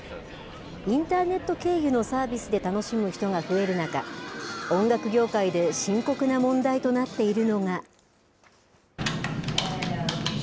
インターネット経由のサービスで楽しむ人が増える中音楽業界で深刻な問題となっているのが。